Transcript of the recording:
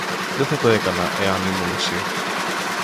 Δεν θα το έκανα εάν ήμουν εσύ.